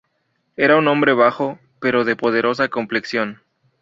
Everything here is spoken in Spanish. Era un hombre bajo pero de poderosa complexión.